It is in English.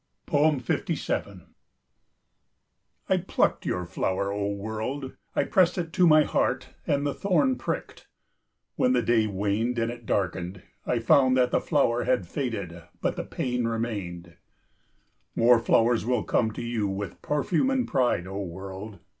57 I plucked your flower, O world! I pressed it to my heart and the thorn pricked. When the day waned and it darkened, I found that the flower had faded, but the pain remained. More flowers will come to you with perfume and pride, O world!